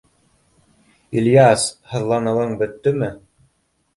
— Ильяс, һыҙланыуың бөттөмө?